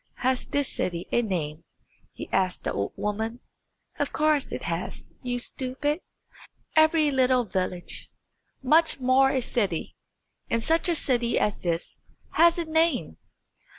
"Has this city a name?" he asked the old woman. "Of course it has, you stupid. Every little village, much more a city, and such a city as this, has a name."